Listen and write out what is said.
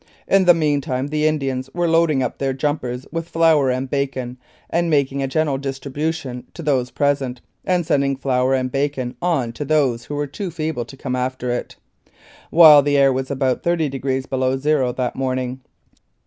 In the meantime the Indians were loading up their jumpers with flour and bacon, and making a general distribution to those present, and sending flour and bacon on to those who were too feeble to come after it, while the air was about 30 degrees below zero that morn ing.